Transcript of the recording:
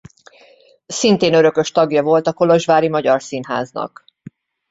Szintén örökös tagja volt a kolozsvári Magyar Színháznak.